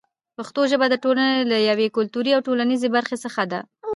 پښتو ژبه د ټولنې له یوې کلتوري او ټولنیزې برخې څخه ده.